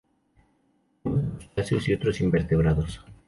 Come crustáceos y otros invertebrados.